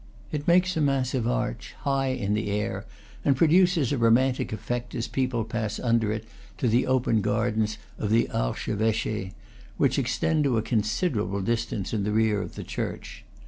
It makes a massive arch, high in the air, and produces a romantic effect as people pass under it to the open gardens of the Archeveche, which extend to a considerable distance in the rear of the church.